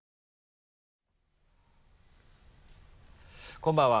こんばんは。